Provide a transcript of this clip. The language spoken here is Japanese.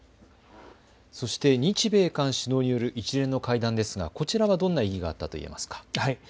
そして日米韓首脳による一連の会談ですがこちらはどんな意義があったと言えますか。